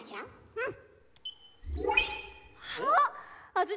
うん。